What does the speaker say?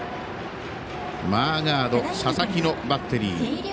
マーガード、佐々木のバッテリー。